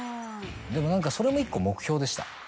でも何かそれも１個目標でした。